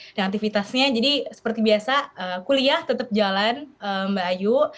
dan aktivitasnya jadi seperti biasa kuliah tetap jalan mbak ayu